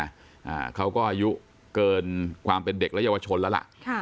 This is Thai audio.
อ่าเขาก็อายุเกินความเป็นเด็กและเยาวชนแล้วล่ะค่ะ